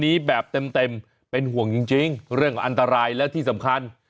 นี้แบบเต็มเต็มเป็นห่วงจริงจริงเรื่องของอันตรายและที่สำคัญ